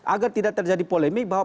agar tidak terjadi polemik bahwa